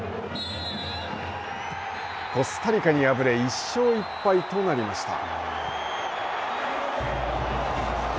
コスタリカに敗れ、１勝１敗となりました。